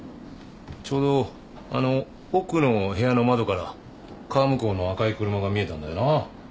ちょうどあの奥の部屋の窓から川向こうの赤い車が見えたんだよな？